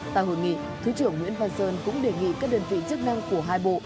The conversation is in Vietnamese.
tại hội nghị thứ trưởng nguyễn văn sơn cũng đề nghị các đơn vị chức năng của hai bộ